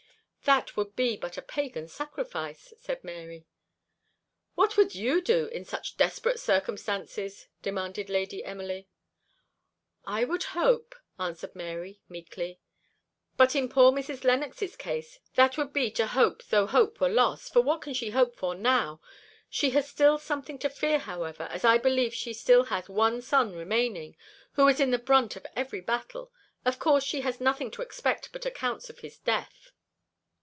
"That would be but a pagan sacrifice," said Mary. "What would you do in such desperate circumstances?" demanded Lady Emily. "I would hope," answered Mary, meekly. "But in poor Mrs. Lennox's case that would be to hope though hope were lost; for what can she hope for now? She has still something to fear, however, as I believe she has still one son remaining, who is in the brunt of every battle; of course she has nothing to expect but accounts of his death."